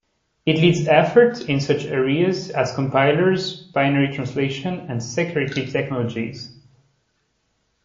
He leads efforts in such areas as compilers, binary translation and security technologies.